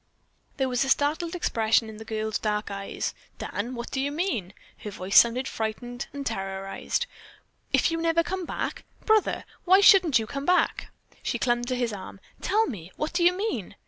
There was a startled expression in the girl's dark eyes. "Dan, what do you mean?" Her voice sounded frightened, terrorized. "If you never come back? Brother, why shouldn't you come back!" She clung to his arm. "Tell me, what do you mean?"